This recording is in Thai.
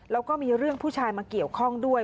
แล้วก็มีเรื่องผู้ชายมาเกี่ยวข้องด้วย